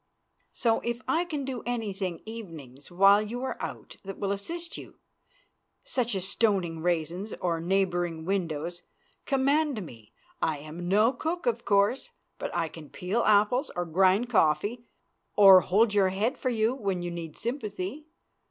So, if I can do anything evenings while you are out that will assist you, such as stoning raisins or neighboring windows, command me. I am no cook, of course, but I can peel apples or grind coffee or hold your head for you when you need sympathy.